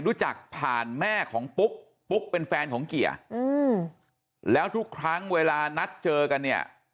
รู้จักผ่านแม่ของปุ๊กปุ๊กเป็นแฟนของเกียร์อืมแล้วทุกครั้งเวลานัดเจอกันเนี่ย